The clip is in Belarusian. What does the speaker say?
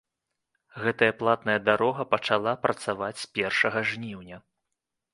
Гэтая платная дарога пачала працаваць з першага жніўня.